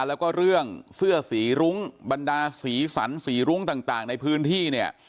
แล้วก็เรื่องเสื้อสีรุ้งบรรดาสีสันสีรุ้งต่างในพื้นที่เนี่ย